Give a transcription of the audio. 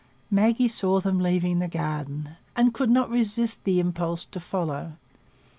Maggie saw them leaving the garden, and could not resist the impulse to follow.